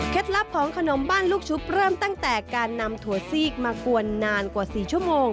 ลับของขนมบ้านลูกชุบเริ่มตั้งแต่การนำถั่วซีกมากวนนานกว่า๔ชั่วโมง